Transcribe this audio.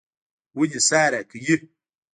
ونې سا راکوي.